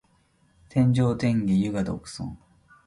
天上天下唯我独尊